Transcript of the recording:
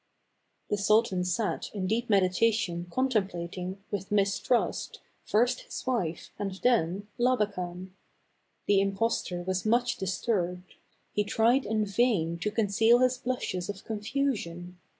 The sultan sat in deep medi tation contemplating, with mis trust, first his wife and then Labakan. The im postor was much dis turbed. He tried in vain to conceal his blushes of confusion.